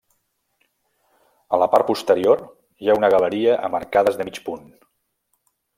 A la part posterior hi ha una galeria amb arcades de mig punt.